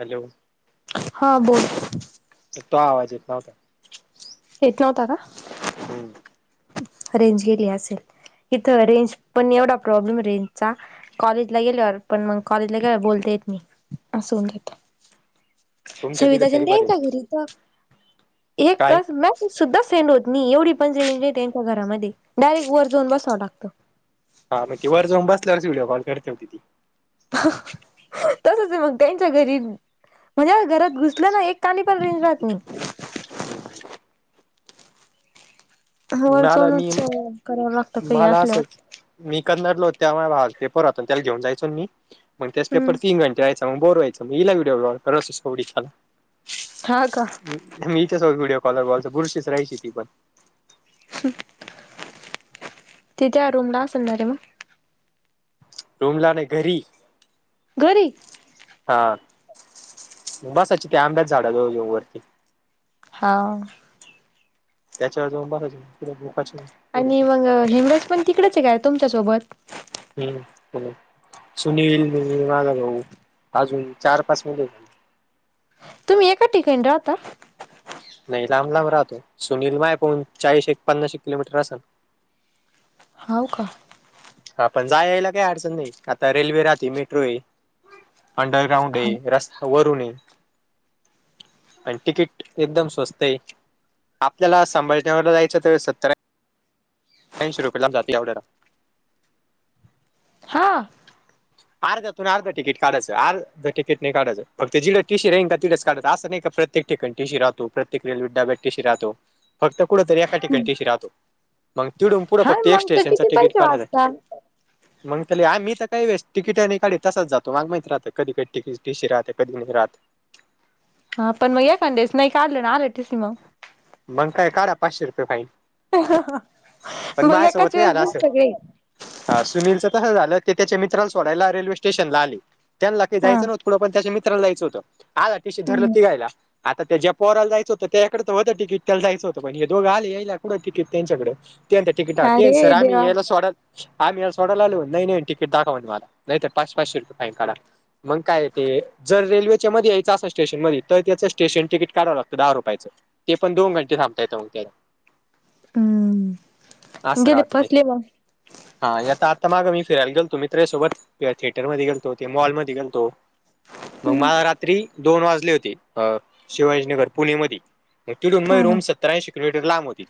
Hello हां बोलं. तो आवांज येतं नव्हतां. येतं नव्हतां कां?. हम्म. रेंज गेली असेल इथं रेंज पण एवढा प्रॉब्लेमए रेंजचा. कॉलेजला गेल्यावर पण मंग कॉलेजला गेल्यावर बोलता येत नाही असुन देत. तुमच्या तिथे तरी सविताच्यांंद बरे देईन्ना गुरु प एक काय का?. मॅसेज सुद्धा सेंड होत नाही, एवढी पण रेंज त्यांच्या घरामध्ये डायरेक्ट वर जाऊन बसावं लागतं. हां म ते वर जाऊन बसल्यावर व्हिडिओ कॉल करत होती ती. तसचं मंग त्यांच्या घरी. म्हणजे घरात घुसलं ना एक कांडी पण रेंज राहत नाही. [unintelligible] हो मला मी जाऊनच करावं लाग मला असंच मी करणार नव्हते तेव्हा रा पेपर होता त्याला घेऊन जायचो मी म त्यास हम्म. पेपर तीन घंटे रायचा मग बोर व्हायचा मी इला व्हिडीओ लावायचा रससवडीखाल हा का? मी इच्या सोबत व्हिडिओ कॉल लावायचा बुरशीच राहायची ती पण. हं तिथं रून्ना असेन असेल ना म. रुमलानाई घरी घरी?. हां बसयाची त्या आंब्याच्या झाडाजवळ जाऊ वरती. हां. त्याच्यावर जाऊन बसाची तिकडं झोपाची. आणि मंग हेमराज पण तिकडेचाय काय तुमच्यासोबत?. हम्म ह सुनील म माझा भाऊ अजून चार पाच मुले हेत तुमी एका ठिकाणी राहता?. नाही लांब लांब राहतोय सुनील माया पवून चाळीश एक पन्नाशेक किलोमीटर असल. हाऊ का?. हा पण जाययायला काही अडचण नाही, आता रेल्वे राहती मेट्रो हेय. अंडरग्राउंडए हा रस्ता वरूनए. आन टिकीट एकदम स्वस्तए. आपल्याला संभाजीनगरला जायचं त सत्तर ऐ ऐंशी रुपयेला जाती येवड्याला. हां. अर्धातुन अर्धा तिकिट काढयाचं अर्ध तिकीट नाही काढायाच ते जि टीशी का तिच काढायचं की असं नाही का प्रत्ये ठिकठिकाणी टिशी राहतो, प्रत्येक रेल्वे टब्यात टिशी राहतो, फक्त कुठंतरी एका ठिकाणी टिशी राहतो. मग तिडून पुढं हा फक्त एक मग तर स्टेशनच किती तिकीट पैसे काढायचाय वाचता मग तेल आमी ते काही वेस्ट तिकिटा आणि काढ तसाच जातो माग माहित राहत कधी कधीतीकीट टशी राहते कधी नाही राहत. हा पण म एकांद्या देस नाही काढले ना आले टीशी म मगकाय काढा पाचशे रुपये फाईन. पण म माझ्यासोबत एकाच नाही वेस झालं दे असं. सगळे हा सुनीलचं तसं झालं, ते तेच्या मित्राला सोडायला रेल्वे स्टेशनला आले, त्यांनला काय हा जायचं नव्हतं. पुढं पण त्याच्या मित्राला यायचं होतं आला टीशी धरलं हम्म तिघायला. आता त्या ज्या पोराला जायचं होतं त्याच्याकडें तर होतं तिकीट त्याला जायचं होतं पण हे दोघं आले यायला कुठं तिकीट त्यांच्याकडे. ते तिकट ते अरे सर देवा आम्हीलायायला सोडत आम्ही सोडायला आलो नाही नाही तिकीट दाखवण मला नाहीतर पाच पाचशे फाईन काढा. मग काय ते जर रेल्वेच्या मध्ये यायचं असं स्टेशन मध्ये तर त्याच स्टेशन तिकीट काढावं लागतं दहा रुपयाचं ते पण दोन घंटे थांबता येतं म ते हम. अस राहत ते. हा आता आता माग मी फिरायला गेलतो मी मित्रासोबत किंवा थिएटरमध्ये गेलतो ते मॉलमध्ये गेलतो. मग हम्म मला रात्री दोन वाजले होते अ शिवाजीनगर पुणे मधी मग ती हा हा रूम. सत्तर ऐंशी किलोमीटर लांब होती.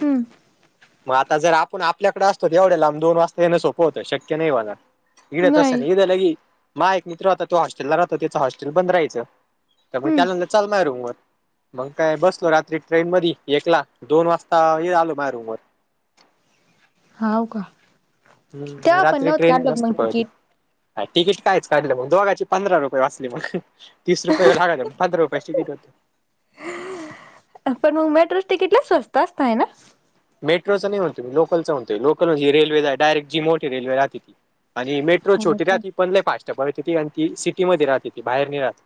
हम्म. मग आता जर आपण आपल्याकडे असतो. एवढ्या लांब दोन वाजता येणं सोप होत. शक्य नाही माझा इकड तसं नाही. इकड लगी एक मित्र होता तो हॉस्टेलला राहतो त्याच हॉस्टेल बंद राहायचं. त्यामुळे हम्म त्याला न चाल रुमवर मग काय बसलो रात्री ट्रेन मध्ये एकला दोन वाजता आलो. माय रूम वर. हो का. हम्म तेव्हा पण रात्री नव्हत ट्रेन काढलं का जास्त मग पळते. तिकीट ह तिकीट कायच काढलं मग दोघाची पंधरा रुपये वाचली मग. तीस रुपये लागले पंधरा रुपये. होते. पण मग मेट्रो तिकीटला स्वस्त असत आहे ना. मेट्रो चा नाही म्हणतो मी लोकलचा म्हणतो लोकल हि रेल्वे डयरेक्टी जी मोठी रेल्वे राहते ती. आणि मेट्रो हो छोटी का राहती पण लय फास्ट पळते ते. आणि ती सिटी मध्ये राहत ती बाहेर नाही राहत.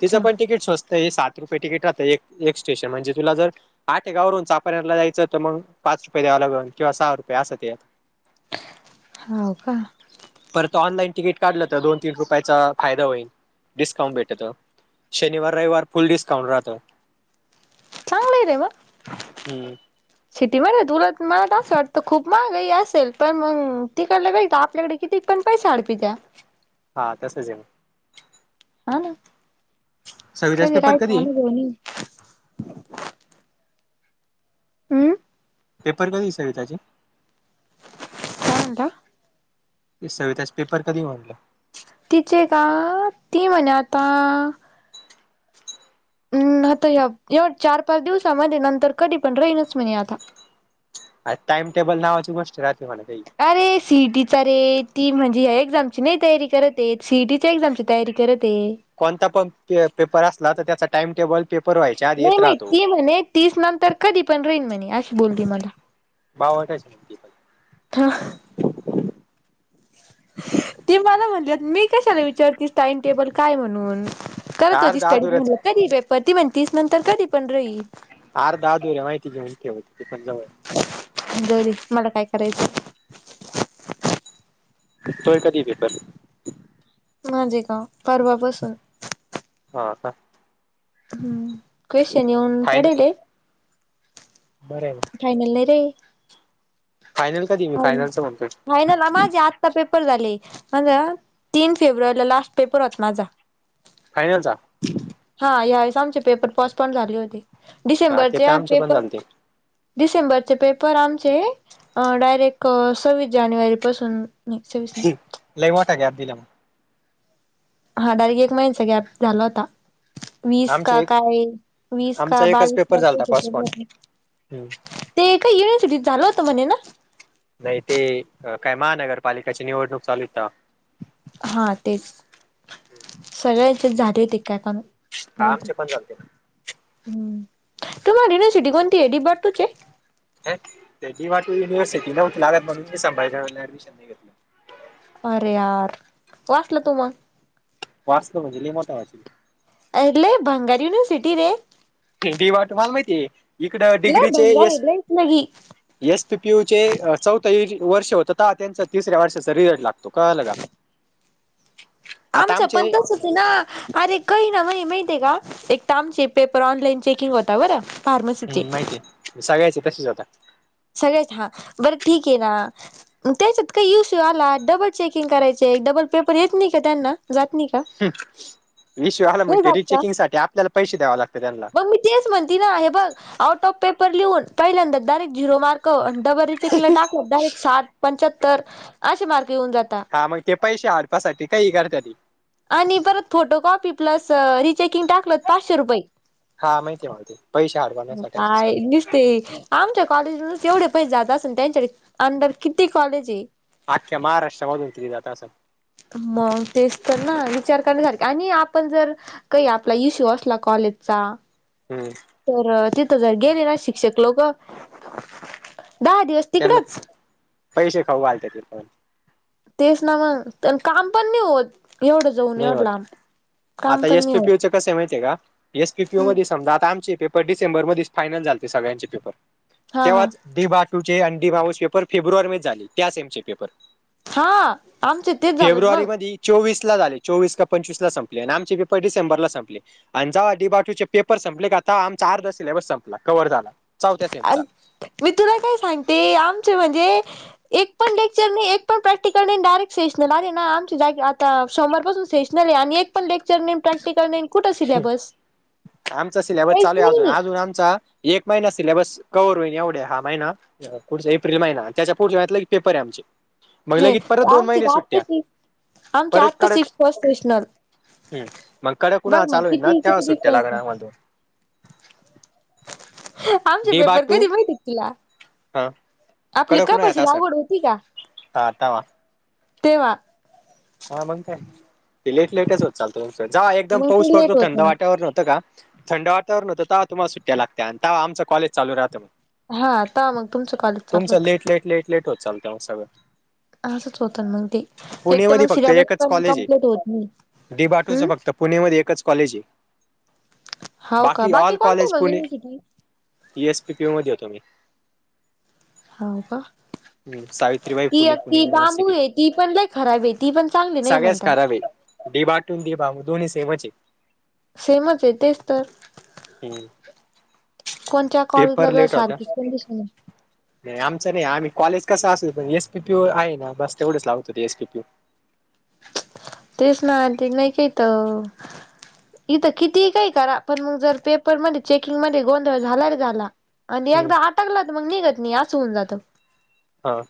तिच पण तिकीट स्वस्त हे सात रुपये तिकीट राहतं. एक स्टेशन म्हणजे तुला जर आठेगाव वरून चापेरला जायचं तर मग पाच रुपये द्याव लागेल किंवा सहा रुपये असं ते. हो का. परत ऑनलाईन तिकीट काढलं तर, दोन - तीन रुपयाचा फायदा होईल. डिस्काउंट भेटत. शनिवार- रविवार फुल डिस्काउंट राहतो. चांगलं आहे रे मग. सीटीमध्ये तुला मलातर असं वाटतं खूप महागाई असेल. पण मग तिकडलं नाही काय आपल्याकडे किती पण पैसा हडपी त्या. हा तसच आहे मग. हा ना. सविताचे कधी पेपर राहायचं आहे? अनुभव नाही आहे. हम. पेपर कधी सवीताचे? यंदा. ते सविताच पेपर कधी म्हनलं? तिचे का. ती म्हेणे आता हम् आता एवढ चार- पाच दिवसामध्ये नंतर कधी पण राहीनच म्हणे आता. आन टाइम टेबल नावाच गोष्ट राहत नाही वाटत ही. अरे सीईटीचा रे ती म्हणजे या एक्झामची नाही तयारी करत येत सिईटीच्या एक्झामची तयारी करत आहे. कोणता पण प पेपर असला तर त्याचा टाइमटेबल पेपर व्हायच्या आधी नाही येत माहित राहतो. ती म्हणे तीस नंतर कधी पण राहील म्हणे अशी बोलली मला ती. बावळट आहेस का? का? ते मला म्हणले मी कशाला विचारु टाइम टेबल काय आहे म्हणून, करत होती अर्धा स्टडी. अधुराच म्हणून कधी पेपर ती म्हणती तीस नंतर कधी पण राहील. आर दहा दिवस माहितीे आहे का स्टडी पेपर चालू आहेत. जाऊ दे. मला काय करायचं. तोय कधी पेपर. माझे का परवापासून. हो का... हम्म क्वेशन येऊन पडे ये. बरहे मग. फायनल नाही रे फायनल कधी मी आयला फायनलचं म्हणतोय. फायनल आ हे माझी आज. ता पेपर झाले म्माझा तीन फेब्रुवारीला लास्ट पेपर होत माझा. फायनल झा. हा या वेेळेस आमचे पेपर पॉस्ट पॉड झाले होते हा ते तर डिसेंबरचे आमचे पण पेपर. झालते. डिसेंबरचे पेपर आमचे. डायरेक्ट सव्वीस जानेवारी पासून नाही सव्वीस नाही. लई मोठा गॅप दिला. हाडायरेक एक महिण्याचा गॅप झाला होता. वीस का आमचे एक काय वीस का आमचा एकच बावीस पेपर झालता पोस्टपोंड. काय. हम्म. ते काय युनसिटी झालं होतं म्हणे ना. नाही ते काय महानगरपालिकेची निवडणूक चालू होती तवा. हा तेच सगळ्याचे झाले होते काय कानु. हा आमचे पण झालते. हम्म तुम्हाला युनिव्हर्सिटी कोणती आहे डी बटूची हे. ह तेी युिव्हर्सिटी नव्हती लागत म्हणूनी ऍडमिशन नाही घेतल. अरे यार वाचला तू मग. वाचलो म्हणजे लयमोठा वाटलो. ले भंगार युनिवर्सिटी रे. डी वाट मला माहिती हे इकडं लय डिग्रीचे भंगार येस. आहे लयच लगी एस पीपीयू चे चौथ वर्ष होत तवा त्यांचा तिसऱ्या वर्षचा रिझल्ट लागला. तो कळालं का. आता आमचं आमचे पणतसच. हि ना अरे काही ना माई माहित आहे का एक त आमचे पेपर ऑनलाईन चेकिंग होता बरं फार्मसीचे हम् माहितीय सगळ्याचे तसेच होतात. सगळेच हां बरं ठीक आहे ना. त्याच्यात काय युसू आला डबल चेकिंग करायचे डबल पेपर येत नाही का त्यांना जात नाही का. युशू आला नाही माहिती जात का रिचेकिंग साठी आपल्याला पैसे द्याव लागत त्यांना. मग मी तेच म्हणती ना हे बघ आउट ऑफ पेपर लिहून पहिल्यांदा ङायरेक्ट झिरो मार्क. डबलरीचेक ला टाकत डायरेक्ट साठ पंच्याहत्तर असे मार्क येऊन जाता. हा मग ते पैसे हडपासाठी काही करतात. आणि परत फोटोकॉपी प्लस रिचेकिंग टाकलं पाचशे रुपये. हा माहितीय [unintelligible] मला ते पैसे हडपण्यासाठी असंच काय करतात. दिसते, आमच्या कॉलेजच तेवढे पैसे जातात ना त्यांच्या अंडर किती कॉलेज आहे, आख््या महाराष्ट्राधून की ती जात असंण मग तेच तर ना विचार करण्यासारखे आणि आपण जर. काही आपला इशू असला कॉलेजचा हम्म, तर तिथं जर गेले ना शिक्षक लोक दहा दिवस त्यांना तिकडच पैसे खाऊ घालतात तिथं. तेच ना मग काम पण नाही होत एवढंच नाही होत आता एस पी पी होत यू चा कसं आहे माहितीय का एस पी पी यू च्या हम्म मध्ये समजा आता आमचे पेप पर डिसेंबर मध्ये फायनल झालते सगळ्यांचे पेपर हा हा तेव्हाच डी बा टू चे आणि डी बाऊस पेपर फेब्रुवारी मध्ये झाले त्यास आहे आमचे पेपर. हा आमच तेच झालंन मग. चोवीसला झाले चोवीस का पंचवीस ला संपले आणि आमचे पेपर डिसेंबरला संपले. आणि जावा डी बाटू चे पेपर संपले का आता आमचा अर्धा सिलेबस संपला कव्हर झाला चौथ्या सेमचा. मी तुला काय सांगते आमचे म्हणजे एक पण लेक्चर नाही एक पण प्रॅक्टिकल नाही डायरेक्ट सेशनल आले ना आमची जागे आता सोमवार पासून सेश नल आहे आणि एक पण लेक्चर नाही प्रॅक् क्टिकल नाही कुठं सिलेबस आमचा सिलेबस काहीच चालू आहे अजून नाही अजून आमचा एक महिना सिलेबस कवर होईन एवढ्या हा महिना पुढचा एप्रिल महिना त्याच्या पुढचे महिन्यातले पेपर आहे आमचे. मग हे लगेच परत दोन आमची महिने सुट्टया. आत्ताशी आमची परत आत्ताशी काढत फर्स्ट सेशनल हम्म मंग कडक बघ पुन्हा चालू होईन ना किती तेव्हा किती सुट्या डिफरन्स लागणार आहे मधून. आमचे डे पेपर बाटू कधी माहिती आहेत तुला? हा. आपली कडक उन्हाळ्यात कपाशी असन लावड होती का हा तवा तेव्हा. हा मंग काय ते लेट लेटच होत चालतो [unintelligible] जेव्हा एकदम मग ते पाऊस पडतो लेट होत थंड ना वातावरण होतं का थंड वातावरण होतं तुम्हाला सुट्टया लागतं आणि तेव्हा आमचा कॉलेज चालू राहतं मंग. हा आता मग तुमचं कॉलेज तुमच चालू लेट होतं लेट लेट लेट होत चालत मग सगळं. असंच होतं मंग ते एक तर पुणेमध्ये मंग फक्त सिलेबस एकच पण कॉलेज आहे कंप्लीट होत नाही डी बाटूचं हम्म. फक्त पुणेमध्ये एकच कॉलेज आहे हाव का बाकी ऑल कोणत्या कॉलेज मग Pune university S P P U मध्ये येतो मी. हाव का हम्म सावित्रीबाई ती फुले एक पुणे ती बांबू युनिवर्सिटी. आहे ती पण लय खराब आहे. ती पण चांग सगळ्याच खराब आहे डी बा टू न डी बा दोन्ही सेमच आहे. सेमच आहे तेच तर. आहे हम्म कोणच्या कॉलेजला पेपर तर लेट होता सारखीच कंडिशन आहे. नाही आमचं नाही आम्ही कॉलेज कसं असेल पण एस पी पी यू आहे ना बस तेवढंच लावतो ते एस पी पी यू. तेच ना आणि ते नाही काहीतर. इथं किती काही करा पण मंग जर पेपर मध्ये चेकिंग मध्ये गोंधळ झाला रे झाला आणि हम्म एकदा अटकला तर मंग निघत नाही अस होऊन जातं. हा.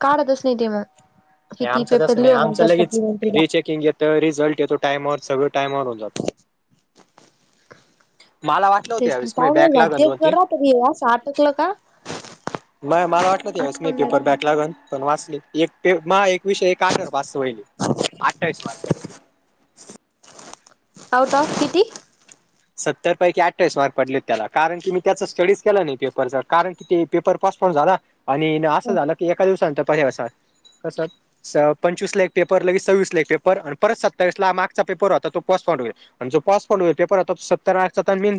काढतच नाही ते मंग किती ही आमचं पेपर तसं नाही लिहू आमचं नंतर सब लगेच रिचेकिंग येतं रिझल्ट येतो टाइमावर सगळं टायमावर होऊन जातो. मालावा तेच ना म [unintelligible] झालते जरा तरी ये असं अटकलं का? मया मला वाटलं त्यावेळेस मी अटकून पेपर बॅक जायच लागन पण वाचली एकटे माय एक विषय एक काटर बास होयली अठ्ठावीस मार्क. आउट ऑफ किती? सत्तर पैकी अठवीस मार्क पडले त्याला कारण की मी त्याचा स्टडीज केलं नाही पेपरचा कारण कि ते पेपर पोस्टपोंड झाला आणि हिने असं झाला की एका दिवसानंतर [unintelligible] कसं स पंचवीसला एक पेपर, लगे सव्वीसला एक पेपर आणि परत सत्तावीसला मागचा पेपर होता तो पोस्पॉन्ड होईल. [unintelligible] मेन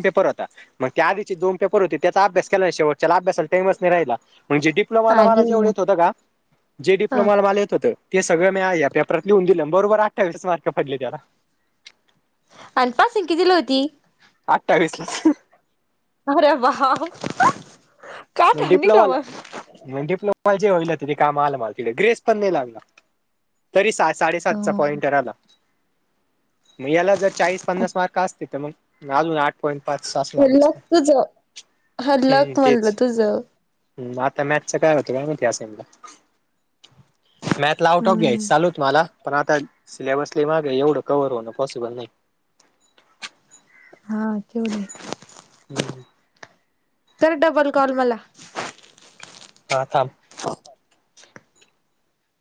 पेपर होता. मग ते आधीचे दोन पेपर होते, त्याचा अभ्यास केला. शेवटच्याला अभ्यासाला टाईमच नाही राहिला. म्हणजे, डी डिप्लोमाला मला अरे जेवढं येत होतं का, जे हा डिप्लोमाला मला येत होतं ते सगळं मी या पेपरात लिह दिलं. बरोबर अठावीसच मार्क पडले त्याला. अन पासिंग कितीली होती? अठ्ठवीसला! अरे वावं! डिप्लोमाला [unintelligible] मग डि होईल [unintelligible] काम आलं मला तिथे ग्रेस पण नाही लागला. तरी सहा साडेसातचा पॉइंट आहे ना आता. मग याला जर चाळीस पन्नास मार्क असते तर मग, अजून आठ पॉईंट पाच सासला मग लक नसता, तुझ हा हम्म, लक तेच! [unintelligible] हम्! आता मॅक्सचं काय होतं,, काय माहिती [unintelligible] मॅथ ला आउट ऑफ हम्म घ्यायच चाललं होतं मला, पण आता सिलेबस लय वाढलं, एवढं कव्हवर होणं पॉसिबल नाही. हा केवढी आहे. हम्म! कर डबल कॉल मला! हा! थांब [unintelligible]